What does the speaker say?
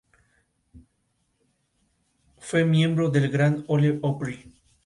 Los cañones antitanque de los batallones fueron retirados.